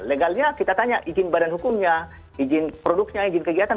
legalnya kita tanya izin badan hukumnya izin produknya izin kegiatan